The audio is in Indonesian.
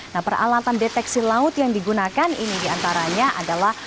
nah peralatan deteksi laut yang digunakan ini diantaranya adalah